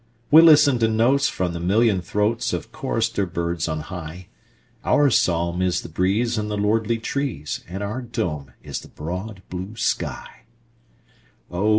We listen to notes from the million throatsOf chorister birds on high, Our psalm is the breeze in the lordly trees, And our dome is the broad blue sky, Oh!